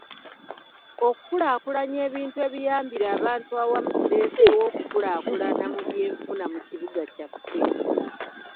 Okukulaakulanya ebintu ebiyambira abantu awamu kireeseewo okukulaakulana mu byenfuna mu kibuga kyaffe.